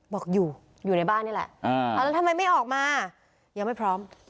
บอกอยู่อยู่ในบ้านนี่แหละเอาแล้วทำไมไม่ออกมายังไม่พร้อม